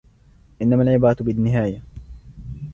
إنما العبرة بالنهاية.